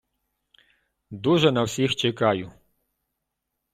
Дуже на всіх чекаю!